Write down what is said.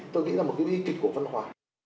tôi nghĩ là một cái di kịch của văn hóa